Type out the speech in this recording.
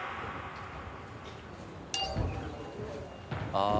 ああ。